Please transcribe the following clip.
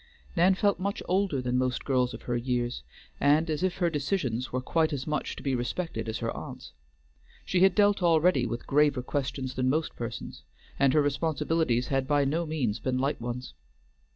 Nan felt much older than most girls of her years, and as if her decisions were quite as much to be respected as her aunt's. She had dealt already with graver questions than most persons, and her responsibilities had by no means been light ones.